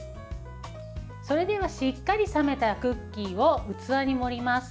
それではしっかり冷めたクッキーを器に盛ります。